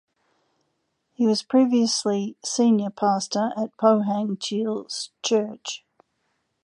He was previously senior pastor at Pohang Cheil Church.